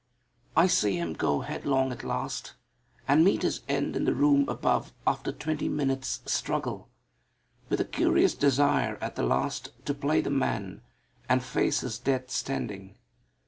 I see him go headlong at last and meet his end in the room above after twenty minutes' struggle, with a curious desire at the last to play the man and face his death standing.